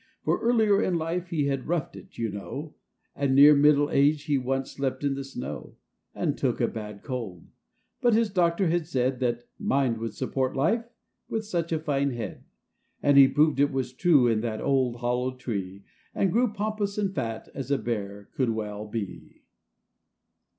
For, earlier in life he had roughed it, you know, And near middle age he once slept in the snow, And took a had cold ; but his doctor had said That "mind would support life, with such a tine head," And he proved it was true in that old, hollow tree, And grew pompous and fat as a Bear could well be